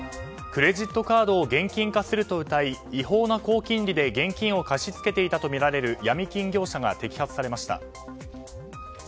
クレジットカードを現金化するとうたい違法な高金利で現金を貸し付けていたとみられるヤミ金業者が摘発されました。